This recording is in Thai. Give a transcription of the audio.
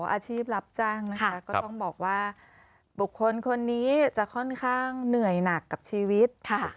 อาชีพรับจ้างนะคะก็ต้องบอกว่าบุคคลคนนี้จะค่อนข้างเหนื่อยหนักกับชีวิต